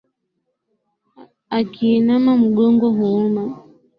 Akiinama mgongo huuma